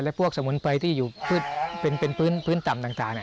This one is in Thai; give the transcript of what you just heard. พวกสมุนไพรที่อยู่เป็นพื้นต่ำต่าง